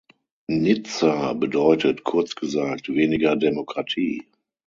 Nizza bedeutet, kurz gesagt, weniger Demokratie.